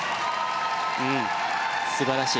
素晴らしい。